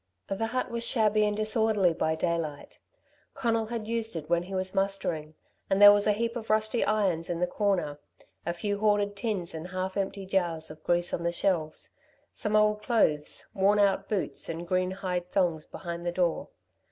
The hut was shabby and disorderly by daylight. Conal had used it when he was mustering, and there was a heap of rusty irons in the corner, a few hoarded tins and half empty jars of grease on the shelves, some old clothes, worn out boots and green hide thongs behind the door.